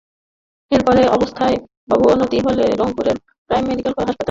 পরে অবস্থার অবনতি হলে রংপুরের প্রাইম মেডিকেল কলেজ হাসপাতালে ভর্তি করা হয়।